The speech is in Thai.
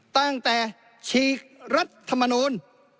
ตั้งแต่ฉีกรัฐธรรมนูญ